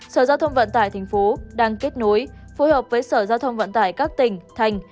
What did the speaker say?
sở giao thông vận tải thành phố đang kết nối phối hợp với sở giao thông vận tải các tỉnh thành